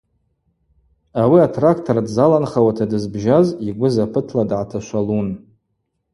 Ауи атрактор дзаланхауата дызбжьаз йгвы запытла дгӏаташвалун.